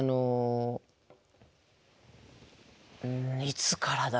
いつからだろう？